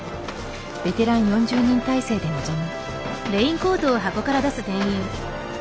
ベテラン４０人態勢で臨む。